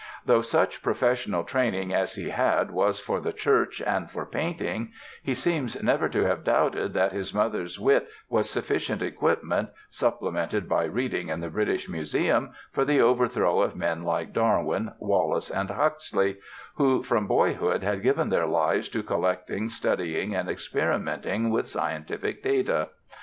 Though such professional training as he had was for the church and for painting, he seems never to have doubted that his mother wit was sufficient equipment, supplemented by reading in the British Museum, for the overthrow of men like Darwin, Wallace and Huxley, who from boyhood had given their lives to collecting, studying and experimenting with scientific data.